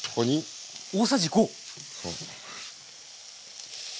大さじ５。